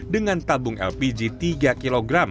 dengan tabung lpg tiga kg